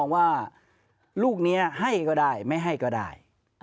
ว่าลูกนี้ให้ก็ได้ไม่ให้ก็ได้